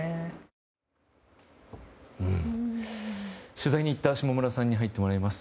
取材に行った下村さんに入ってもらいます。